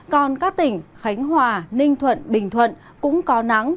còn các tỉnh khánh hòa ninh thuận bình thuận cũng có nắng